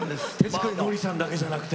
ノリさんだけじゃなくて。